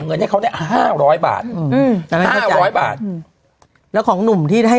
เงินให้เขาเนี้ยห้าร้อยบาทอืมนะฮะห้าร้อยบาทอืมแล้วของหนุ่มที่ให้